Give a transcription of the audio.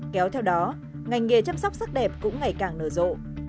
kéo theo đó ngành nghề chăm sóc sắc đẹp cũng ngày càng nở rộ